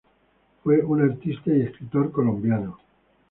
Fue un artista y escritor colombiano.